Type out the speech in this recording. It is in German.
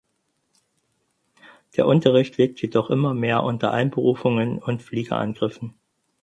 Der Unterricht litt jedoch immer mehr unter Einberufungen und Fliegerangriffen.